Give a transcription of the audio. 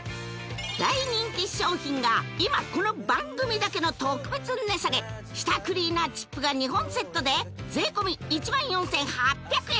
大人気商品が今この番組だけの特別値下げ舌クリーナーチップが２本セットで税込１４８００円